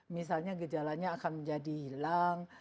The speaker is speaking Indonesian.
misalnya gejalanya akan menjadi hilang